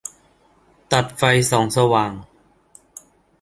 ตัดไฟส่องสว่าง